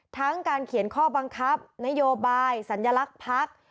การเขียนข้อบังคับนโยบายสัญลักษณ์พัก